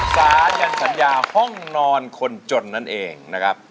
สายันสัญญาห้องนอนคนจนนั่นเองนะครับ